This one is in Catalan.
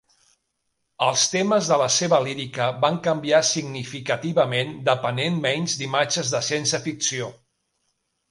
Els temes de la seva lírica van canviar significativament, depenent menys d'imatges de ciència-ficció.